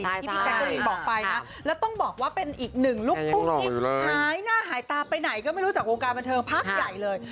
ที่พี่แจ๊กกะรีนบอกไปนะแล้วต้องบอกว่าเป็นอีกหนึ่งลูกทุ่งที่หายหน้าหายตาไปไหนก็ไม่รู้จากวงการบันเทิงพักใหญ่เลย